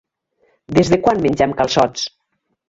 Des de quan mengem calçots?